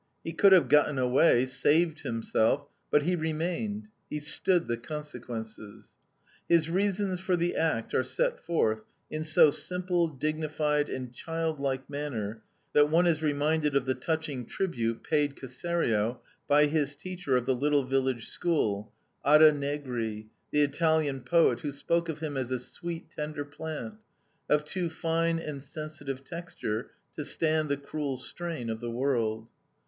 He could have gotten away, saved himself; but he remained, he stood the consequences. His reasons for the act are set forth in so simple, dignified, and childlike manner that one is reminded of the touching tribute paid Caserio by his teacher of the little village school, Ada Negri, the Italian poet, who spoke of him as a sweet, tender plant, of too fine and sensitive texture to stand the cruel strain of the world.